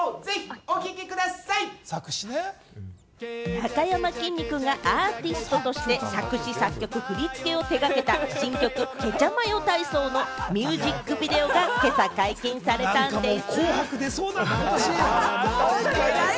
なかやまきんに君がアーティストとして作詞・作曲・振付を手がけた新曲『ケチャマヨ体操』のミュージックビデオが今朝、解禁されたんでぃす。